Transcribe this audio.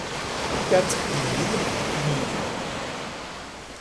quatre Ibid., liv.